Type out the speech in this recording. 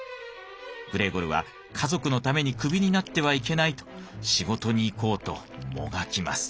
グレーゴルは家族のためにクビになってはいけないと仕事に行こうともがきます。